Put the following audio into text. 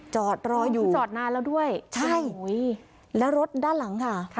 จอดรออยู่จอดนานแล้วด้วยใช่แล้วรถด้านหลังค่ะ